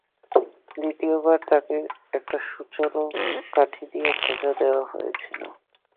দ্বিতীয় বার তাকে একটা সূচালো কাঠি দিয়ে খোঁচা দেওয়া হচ্ছিল।